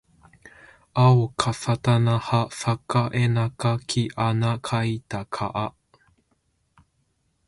あおかさたなはさかえなかきあなかいたかあ